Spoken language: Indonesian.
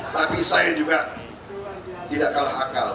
tapi saya juga tidak kalah akal